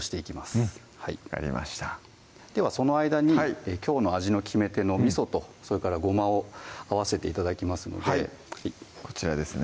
うん分かりましたではその間にきょうの味の決め手のみそとそれからごまを合わせて頂きますのでこちらですね